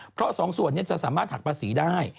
เพราะสองส่วนนี้จะสามารถหักภาษีได้